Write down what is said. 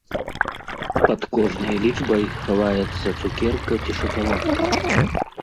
Пад кожнай лічбай хаваецца цукерка ці шакаладка.